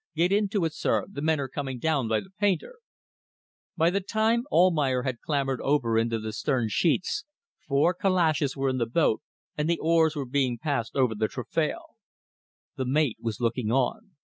"Get into it, sir. The men are coming down by the painter." By the time Almayer had clambered over into the stern sheets, four calashes were in the boat and the oars were being passed over the taffrail. The mate was looking on.